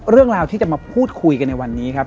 เรื่องราวที่จะมาพูดคุยกันในวันนี้ครับ